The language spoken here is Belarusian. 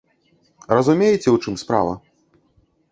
Разумееце, у чым справа?